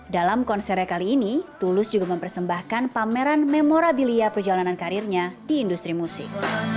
dalam konsernya kali ini tulus juga mempersembahkan pameran memorabilia perjalanan karirnya di industri musik